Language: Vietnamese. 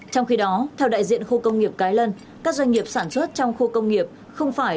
trong khi đó theo đại diện khu công nghiệp cái lân các doanh nghiệp sản xuất trong khu công nghiệp không phải